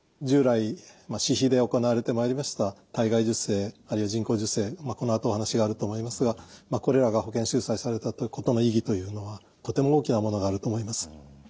従来私費で行われてまいりました体外受精あるいは人工授精このあとお話があると思いますがこれらが保険収載されたことの意義というのはとても大きなものがあると思います。